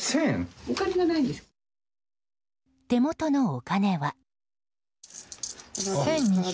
手元のお金は。